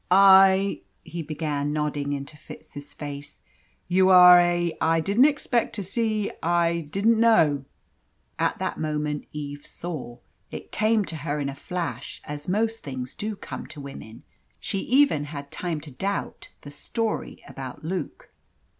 "I " he began, nodding into Fitz's face. "You are eh? I didn't expect to see I didn't know " At that moment Eve saw. It came to her in a flash, as most things do come to women. She even had time to doubt the story about Luke.